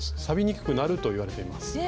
さびにくくなるといわれています。